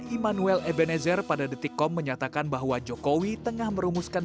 immanuel ebenezer pada detikkom menyatakan bahwa jokowi tengah merumuskan